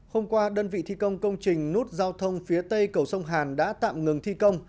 hôm qua đơn vị thi công công trình nút giao thông phía tây cầu sông hàn đã tạm ngừng thi công